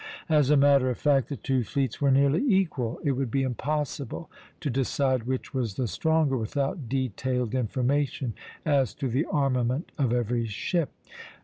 As a matter of fact the two fleets were nearly equal; it would be impossible to decide which was the stronger, without detailed information as to the armament of every ship.